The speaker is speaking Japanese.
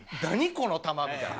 この球！みたいな。